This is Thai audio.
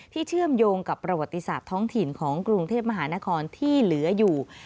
เชื่อมโยงกับประวัติศาสตร์ท้องถิ่นของกรุงเทพมหานครที่เหลืออยู่